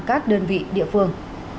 các đơn vị địa phương